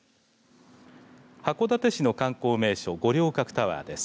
函館市の観光名所五稜郭タワーです。